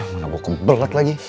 mana gue kebelet lagi